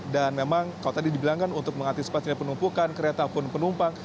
dan memang kalau tadi dibilangkan untuk mengaktifkan penumpukan kereta pun penumpang